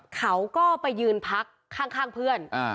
เขาก็ไปยืนพักข้างเพื่อน